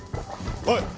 おい！